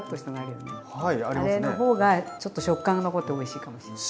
あれの方がちょっと食感が残っておいしいかもしれない。